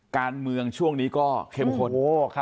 การเมืองช่วงนี้ก็เข้มข้น